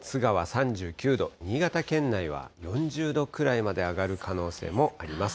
３９度、新潟県内は４０度くらいまで上がる可能性もあります。